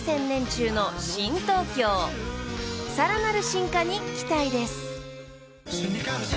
［さらなる進化に期待です］